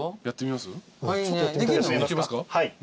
やってみますか？